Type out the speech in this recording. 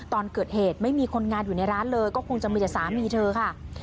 ตอนเกิดเหตุไม่มีคนงานอยู่ในร้านเลยก็คงจะมีแต่สามีเธอค่ะ